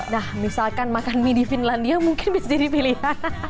nah misalkan makan mie di finlandia mungkin bisa jadi pilihan